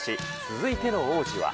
続いての王子は。